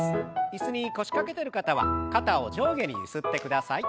椅子に腰掛けてる方は肩を上下にゆすってください。